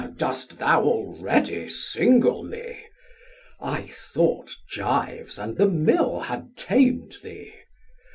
Har: Dost thou already single me; I thought Gives and the Mill had tam'd thee?